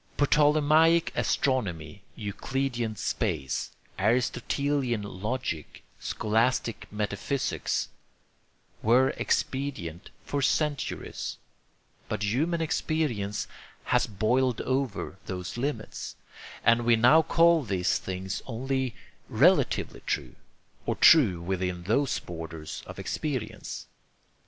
Ptolemaic astronomy, euclidean space, aristotelian logic, scholastic metaphysics, were expedient for centuries, but human experience has boiled over those limits, and we now call these things only relatively true, or true within those borders of experience.